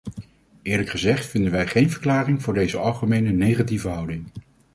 Eerlijk gezegd vinden wij geen verklaring voor deze algemene negatieve houding.